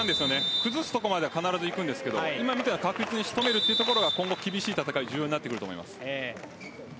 崩すところまではいくんですが今みたいに確実に仕留めるところが今後厳しい戦いで大事になってきます。